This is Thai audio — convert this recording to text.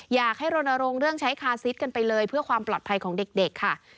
อยากให้รณรงค์เรื่องใช้คาซิสกันไปเลยเพื่อความปลอดภัยของเด็กค่ะ